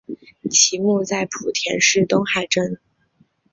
其墓在莆田市东海镇。